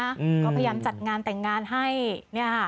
อืมก็พยายามจัดงานแต่งงานให้เนี่ยค่ะ